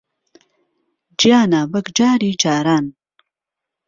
گیانە، وەک جاری جاران